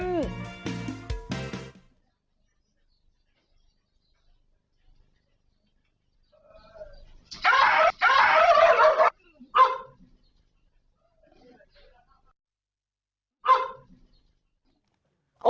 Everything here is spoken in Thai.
ช่าช่า